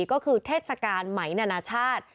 ก็คือเทศกาลไหมนานาชาติ